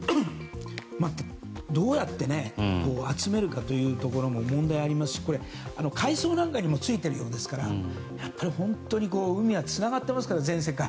どうやって集めるかというところも問題がありますし海藻なんかにもついているようですから本当に海は全世界でつながっていますから。